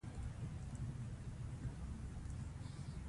د زور توری په نرمه توګه ویل کیږي.